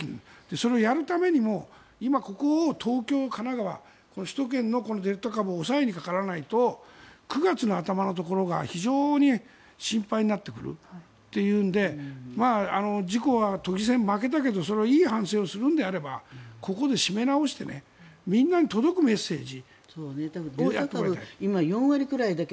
それをやるためにも今ここを東京、神奈川首都圏のデルタ株を抑えにかからないと９月の頭のところが非常に心配になってくるというので自公は都議選に負けたけどそれはいい反省をするのであればここで締め直してみんなに届くメッセージをやってもらいたい。